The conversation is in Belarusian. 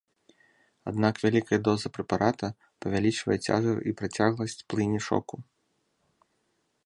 Аднак вялікая доза прэпарата павялічвае цяжар і працягласць плыні шоку.